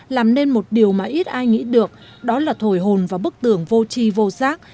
làm nên một điều mà ít ai nghĩ được đó là thổi hồn và bức tường vô trì vô giác